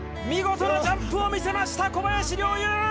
見事なジャンプを見せました小林陵侑！